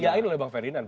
dijain oleh bang ferdinand